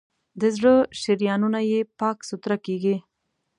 د زړه شریانونه یې پاک سوتړه کېږي.